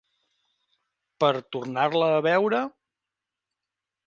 Per tornar-la a veure?